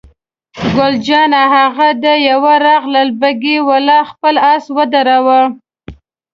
ګل جانې: هغه د یوه راغلل، بګۍ والا خپل آس ودراوه.